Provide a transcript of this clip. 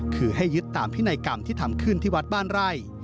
คือให้ยึดตามพินัยกรรมที่ทำขึ้นที่วัดบ้านไร่